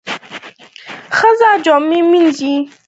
ښځه جامې مینځي.